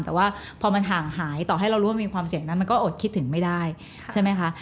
แต่ว่าพอมันห่างหายต่อให้เรารู้ว่ามีความเสี่ยงนั้นมันก็อดคิดถึงไม่ได้ใช่ไหมคะ